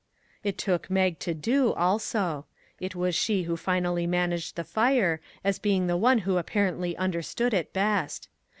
It took Mag to do, also. It was she who finally managed the fire, as being the one who apparently understood it best.